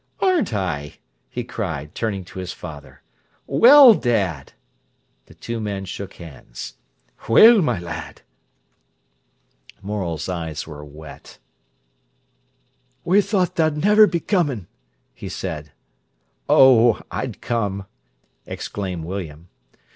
"Aren't I!" he cried, turning to his father. "Well, dad!" The two men shook hands. "Well, my lad!" Morel's eyes were wet. "We thought tha'd niver be commin'," he said. "Oh, I'd come!" exclaimed William.